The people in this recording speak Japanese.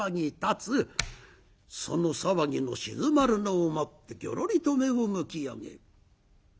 その騒ぎの鎮まるのを待ってギョロリと目をむき上げる。